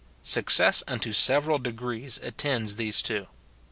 — Success unto several degrees attends these two.